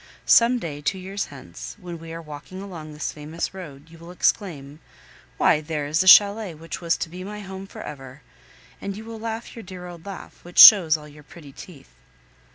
Some day, two years hence, when we are walking along this famous road, you will exclaim, "Why, there is the chalet which was to be my home for ever!" And you will laugh your dear old laugh, which shows all your pretty teeth!